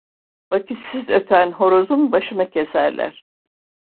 Vakitsiz öten horozun başını keserler.